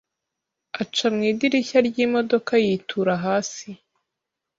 aca mu idirishya ry’imodoka yitura hasi,